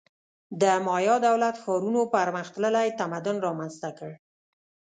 د مایا دولت-ښارونو پرمختللی تمدن رامنځته کړ.